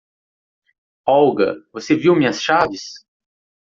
Olga, você viu minhas chaves?